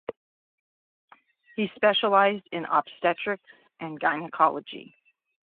He specialized in obstetrics and gynecology.